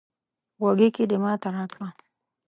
غوږيکې دې ماته راکړه